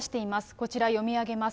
こちら読み上げます。